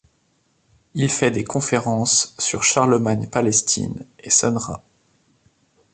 Il fait des conférences sur Charlemagne Palestine et Sun Ra.